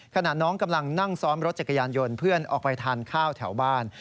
ขณะน้องกำลังนั่งซ้อมรถจักรยานยนต์เพื่อนออกไปทานข้าวแถวบ้าน